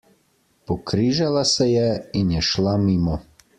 Pokrižala se je in je šla mimo.